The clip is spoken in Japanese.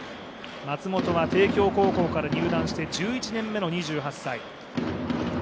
松本は帝京高校から入団して１１年目の２８歳。